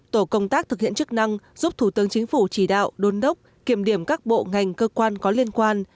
tổ công tác thực hiện chức năng giúp thủ tướng chính phủ chỉ đạo đôn đốc kiểm điểm các bộ ngành cơ quan có liên quan